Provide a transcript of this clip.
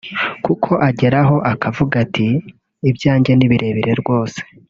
kuko agera aho akavuga ati “Ibyanjye ni birebire rwose